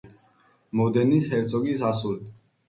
მოდენის ჰერცოგის ასული.